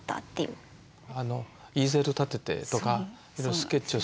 イーゼル立ててとかいろいろスケッチをする。